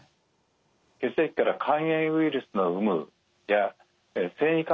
血液から肝炎ウイルスなどの有無や線維化